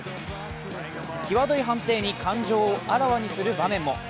きわどい判定に感情をあらわにする場面も。